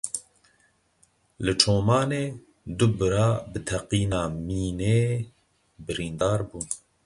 Li Çomanê du bira bi teqîna mînê birîndar bûn.